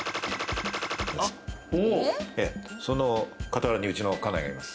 ○○、その傍らにうちの家内がいます。